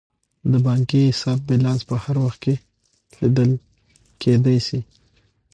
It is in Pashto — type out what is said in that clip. د بانکي حساب بیلانس په هر وخت کې لیدل کیدی شي.